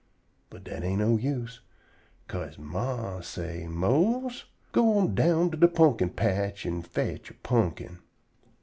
But dat ain't no use, 'ca'se he ma say, "Mose, go on down to de pumpkin patch an' fotch a pumpkin."